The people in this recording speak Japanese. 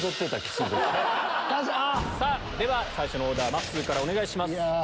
では最初のオーダーまっすーからお願いします。